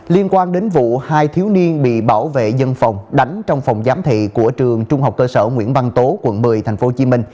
liên quan đến vụ hai thiếu niên bị bảo vệ dân phòng đánh trong phòng giám thị của trường trung học cơ sở nguyễn văn tố quận một mươi tp hcm